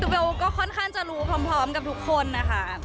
เบลก็ค่อนข้างจะรู้พร้อมกับทุกคนนะคะ